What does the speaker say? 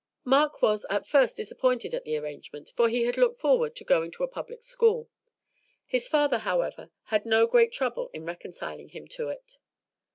Mark was at first disappointed at the arrangement, for he had looked forward to going to a public school. His father, however, had no great trouble in reconciling him to it.